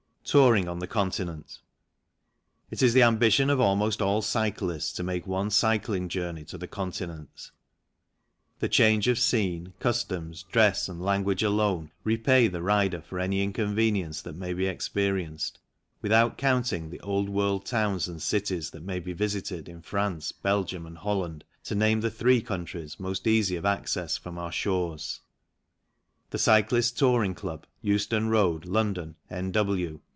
Touring on the Continent. It is the ambition of almost all cyclists to make one cycling journey to the Continent. The change of scene, customs, dress, and language alone repay the rider for any inconvenience that may be experienced, without counting the old world towns and cities that may be visited in France, Belgium, and Holland, to name the three countries most easy of access from our shores. The Cyclists' Touring Club, Euston Road, London, N.W.